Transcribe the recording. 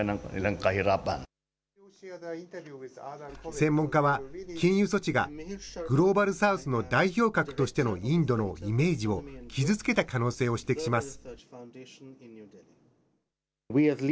専門家は、禁輸措置がグローバル・サウスの代表格としてのインドのイメージを傷つけた可能性を指摘します。